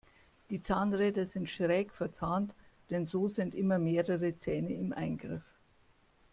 Die Zahnräder sind schräg verzahnt, denn so sind immer mehrere Zähne im Eingriff.